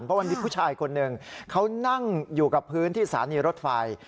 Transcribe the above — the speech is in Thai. เพราะมันมีผู้ชายคนหนึ่งเขานั่งอยู่กับพื้นที่สถานีรถไฟ